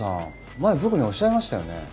前僕におっしゃいましたよね。